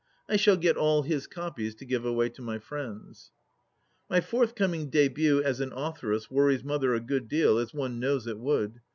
I shall get all his copies to give away to my friends. My forthcoming dibut as an authoress worries Mother a good deal, as one knows it would.